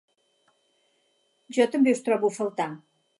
Jo també us trobo a faltar.